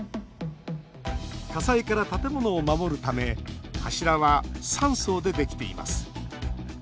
火災から建物を守るため柱は３層でできています。